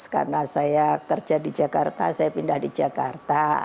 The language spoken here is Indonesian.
karena saya kerja di jakarta saya pindah di jakarta